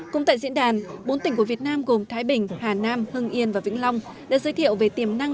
cũng tại diễn đàn bốn tỉnh của việt nam gồm thái bình hà nam hưng yên và vĩnh long đã giới thiệu về tiềm năng